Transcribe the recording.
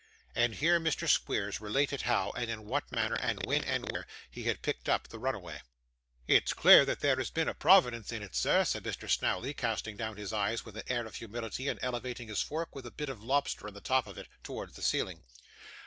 And here Mr. Squeers related how, and in what manner, and when and where, he had picked up the runaway. 'It's clear that there has been a Providence in it, sir,' said Mr Snawley, casting down his eyes with an air of humility, and elevating his fork, with a bit of lobster on the top of it, towards the ceiling.